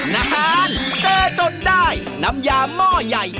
นานเจอจนได้น้ำยาหม้อใหญ่